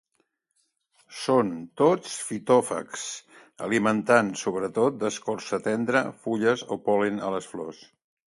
Són tots fitòfags, alimentant sobretot d'escorça tendra, fulles o pol·len a les flors.